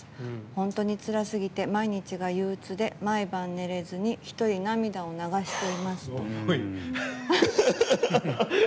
本当につらすぎて毎日が憂鬱で毎晩寝れずに１人涙を流しています。